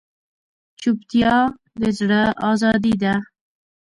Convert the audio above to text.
چوپتیا، د زړه ازادي ده.